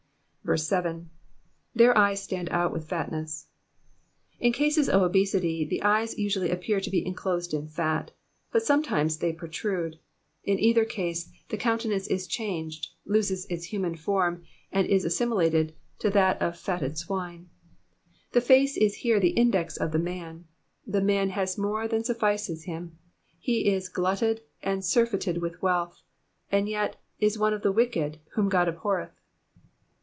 7. "Their eyes stand out with fatnens.''^ In cases of obesity the eyes usually appear to be enclosed in fat, but sometimes they protrude ; in either case the countenance is changed, loses its human form, and is assimilated to that of fatted swine. The face is here the index of the man : the man has more than suffices him ; he is glutted and surfeited with wealth, and yet is one of the wicked whom God abhorreth.